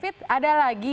fit ada lagi